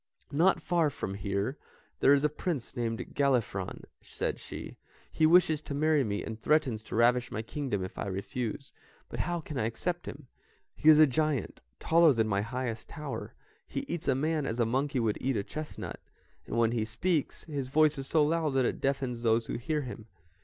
"Not far from here there is a prince named Galifron," said she; "he wishes to marry me, and threatens to ravish my kingdom if I refuse; but how can I accept him? He is a giant, taller than my highest tower, he eats a man as a monkey would eat a chestnut, and when he speaks, his voice is so loud that it deafens those who hear him.